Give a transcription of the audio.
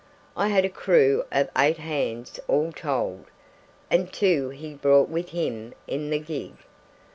I had a crew of eight hands all told, and two he brought with him in the gig.